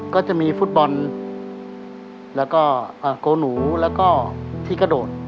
ก็จะมีฟุตบอลแล้วก็โกหนูแล้วก็ที่กระโดด